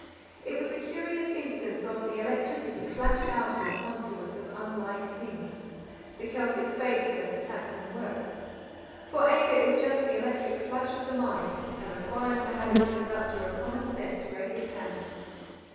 It was a curious instance of the electricity flashed out in the confluence of unlike things the Celtic faith and the Saxon works. For anger is just the electric flash of the mind, and requires to have its conductor of common sense ready at hand.